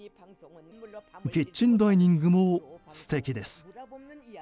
キッチンダイニングも素敵です。